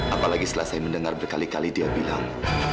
apalagi setelah saya mendengar berkali kali dia bilang